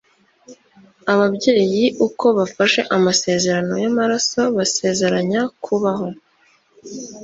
ababyeyi uko bafashe amasezerano yamaraso, basezeranya kubaho